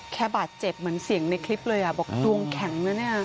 แค่บาดเจ็บเหมือนเสียงในคลิปเลยอ่ะบอกดวงแข็งนะเนี่ย